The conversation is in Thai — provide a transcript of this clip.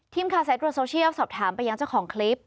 สายตรวจโซเชียลสอบถามไปยังเจ้าของคลิป